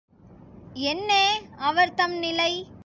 என்னே அவர் தம் நிலை.